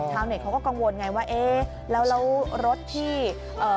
ชาวเหน็จเขาก็กังวลไงว่าเอ๊ะแล้วเรารถที่เอ่อ